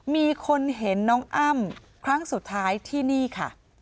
มีคนเห็นน้องอ้ำครั้งสุดท้ายที่นี่ค่ะ